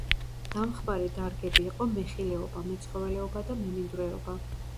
დამხმარე დარგები იყო მეხილეობა, მეცხოველეობა და მემინდვრეობა.